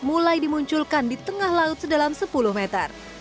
mulai dimunculkan di tengah laut sedalam sepuluh meter